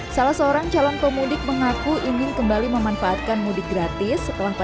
salah seorang calon pemudik mengaku ingin kembali memanfaatkan mudik gratis setelah